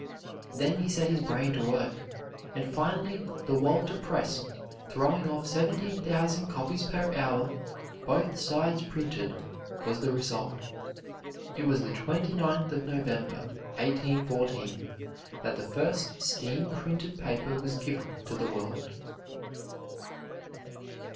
Then he set his brain to work, and finally the Walter Press, throwing off 17,000 copies per hour, both sides printed, was the result. It was the 29th of November, 1814, that the first steam printed paper was given to the world.